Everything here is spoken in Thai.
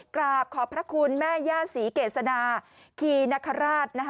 กราบขอบพระคุณแม่ย่าศรีเกษนาคีนคราช